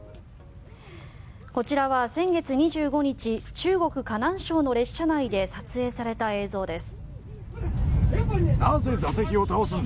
こちらは先月２５日中国・河南省の列車内で撮影された映像です。